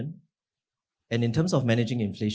dan dalam hal memanajakan inflasi